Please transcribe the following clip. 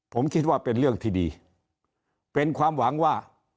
ผมคิดว่าเป็นเรื่องที่ดีเป็นความหวังว่า